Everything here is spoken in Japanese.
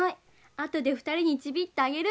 あとで２人にちびっとあげる。